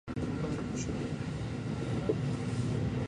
母は強い